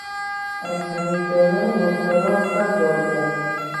از تمیز کردن مستراح سرباز زد.